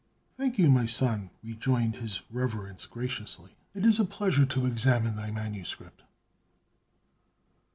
"Thank you, my son!" rejoined his Reverence graciously. "It is a pleasure to examine thy manuscript."